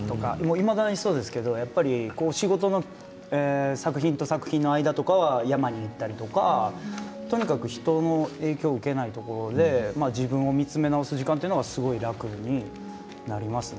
今ごろはそうですけど仕事の作品と作品の間は山に行ったりとかとにかく人の影響を受けないところで自分を見つめ直す時間というのはすごく楽になりますね。